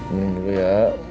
minum dulu ya